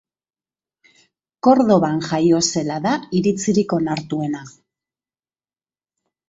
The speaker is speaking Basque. Kordoban jaio zela da iritzirik onartuena.